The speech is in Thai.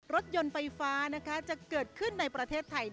รถยนต์ไฟฟ้านะคะจะเกิดขึ้นในประเทศไทย